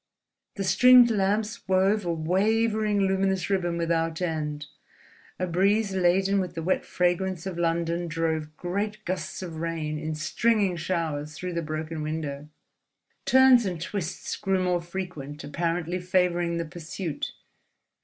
The stringed lamps wove a wavering luminous ribbon without end; a breeze laden with the wet fragrance of London drove great gusts of rain in stringing showers through the broken window. Turns and twists grew more frequent, apparently favouring the pursuit.